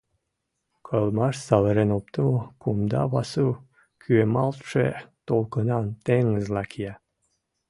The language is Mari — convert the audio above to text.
Кылмаш савырен оптымо кумда пасу кӱэмалтше толкынан теҥызла кия.